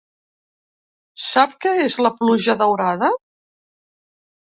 Sap què és la pluja daurada?